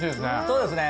そうですね